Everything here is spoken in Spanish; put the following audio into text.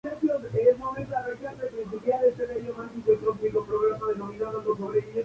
A su regreso, es nombrado gran oficial de la Legión de Honor.